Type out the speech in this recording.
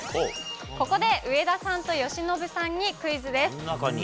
ここで上田さんと由伸さんにクイズです。